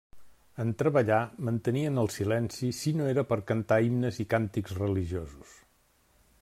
En treballar, mantenien el silenci si no era per cantar himnes i càntics religiosos.